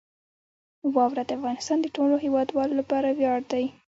واوره د افغانستان د ټولو هیوادوالو لپاره ویاړ دی.